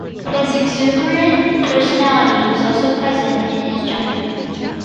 His exuberant personality was also present in his jumping.